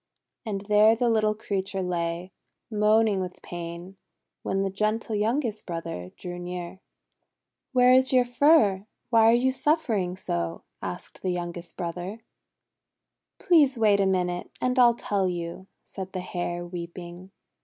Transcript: And there the little creature lay, moaning with pain, when the gentle youngest brother drew near. 'Where is your fur? Why are you suffering so?" asked the youngest brother. '' Please wait a minute, and I'll tell you," said the Hare, weeping.